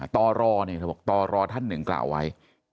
ต้อรอนี่ก็ต้องรอท่านหนึ่งกล่าวไว้